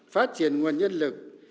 phát triển nguồn nhân lực